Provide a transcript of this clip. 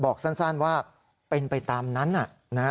บอกสั้นว่าเป็นไปตามนั้น